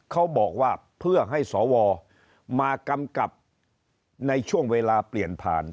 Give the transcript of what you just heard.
เขาบอกว่าเพื่อให้สวมากำกับในช่วงเวลาเปลี่ยนผ่าน